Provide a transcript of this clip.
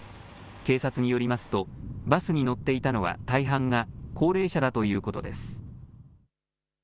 警察によりますとバスに乗っていたのは大半が高齢者だということです。